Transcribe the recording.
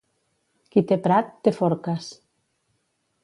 Qui té prat, té forques.